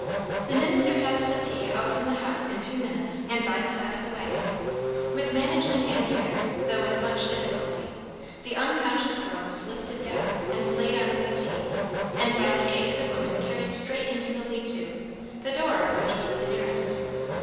The minister had a settee out from the house in two minutes and by the side of the waggon; with management and care, though with much difficulty, the unconscious girl was lifted down and laid on the settee; and by the aid of the women carried straight into the lean to, the door of which was the nearest.